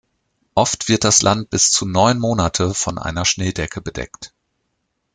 Oft wird das Land bis zu neun Monate von einer Schneedecke bedeckt.